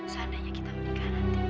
seandainya kita menikah nanti